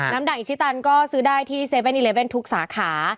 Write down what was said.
ดักอิชิตันก็ซื้อได้ที่๗๑๑ทุกสาขา